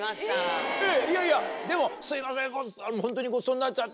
いやいやでも「すいません」。